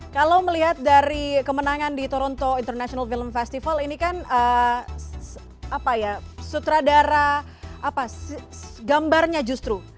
kalau melihat dari kemenangan di toronto international film festival ini kan apa ya sutradara apa gambarnya justru